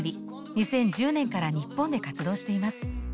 ２０１０年から日本で活動しています。